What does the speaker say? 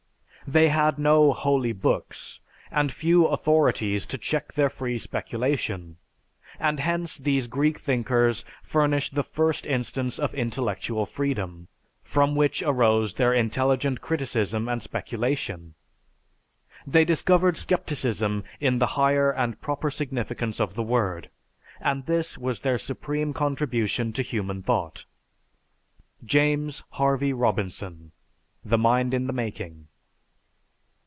They had no "holy books" and few authorities to check their free speculation and hence these Greek thinkers furnish the first instance of intellectual freedom, from which arose their intelligent criticism and speculation. "They discovered skepticism in the higher and proper significance of the word, and this was their supreme contribution to human thought." (_James Harvey Robinson: "The Mind In The Making."